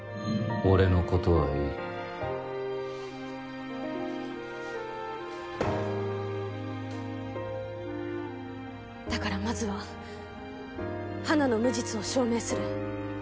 俺のことはいいだからまずは花の無実を証明する。